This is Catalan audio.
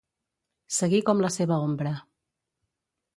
Seguir com la seva ombra.